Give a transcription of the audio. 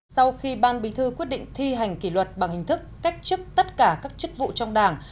sau khi ban bí thư quyết định thi hành kỷ luật bằng hình thức cách chức tất cả các chức vụ trong đảng